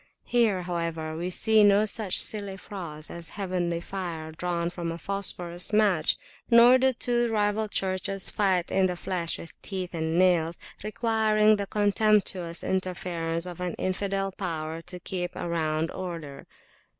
Here, however, we see no such silly frauds as heavenly fire drawn from a phosphor match; nor do two rival churches fight in the flesh with teeth and nails, requiring the contemptuous interference of an infidel power to keep around order.